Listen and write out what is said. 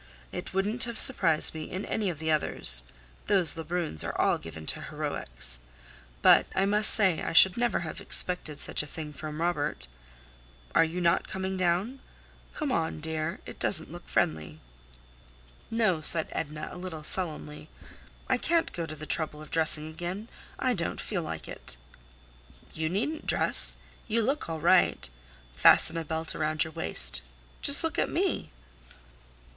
It wouldn't have surprised me in any of the others; those Lebruns are all given to heroics. But I must say I should never have expected such a thing from Robert. Are you not coming down? Come on, dear; it doesn't look friendly." "No," said Edna, a little sullenly. "I can't go to the trouble of dressing again; I don't feel like it." "You needn't dress; you look all right; fasten a belt around your waist. Just look at me!"